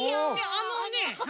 あのね。